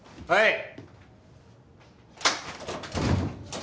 はい。